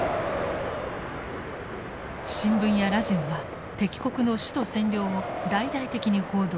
新聞やラジオは敵国の首都占領を大々的に報道。